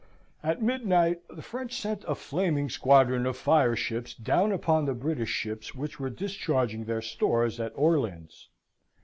At midnight the French sent a flaming squadron of fireships down upon the British ships which were discharging their stores at Orleans.